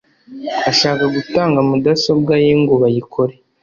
Ashaka gutanga mudasobwa ye ngo bayikore